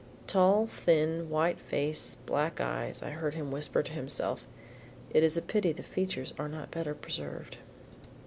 "Tall, thin, white face, black eyes." I heard him whisper to himself. "It is a pity the features are not better preserved."